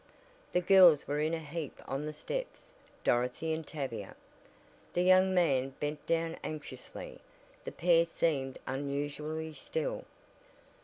The girls were in a heap on the steps! Dorothy and Tavia. The young man bent down anxiously. The pair seemed unusually still.